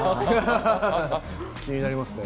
気になりますね。